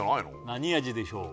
何味でしょう？